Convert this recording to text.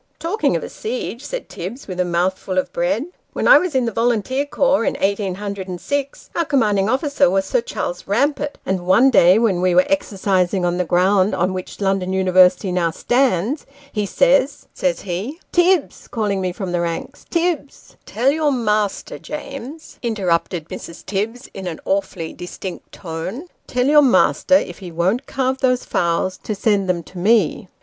"" Talking of a siege," said Tibbs, with a mouthful of bread " when I was in the volunteer corps, in eighteen hundred and six, our com manding officer was Sir Charles Eampart; and one day when we were exercising on the gi'ound on which the London University now stands, he says, says he, Tibbs (calling me from the ranks) Tibbs "" Tell your master, James," interrupted Mrs. Tibbs, in an awfully distinct tone, " tell your master if he won't carve those fowls, to send them to me."